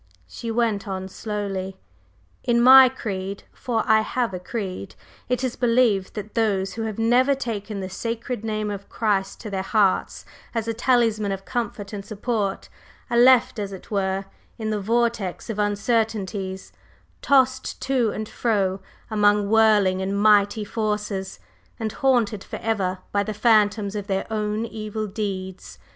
She went on slowly: "In my creed for I have a creed it is believed that those who have never taken the sacred name of Christ to their hearts, as a talisman of comfort and support, are left as it were in the vortex of uncertainties, tossed to and fro among many whirling and mighty forces, and haunted forever by the phantoms of their own evil deeds.